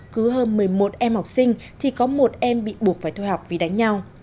cứ hơn một mươi một em học sinh thì có một em bị buộc phải thu học vì đánh nhau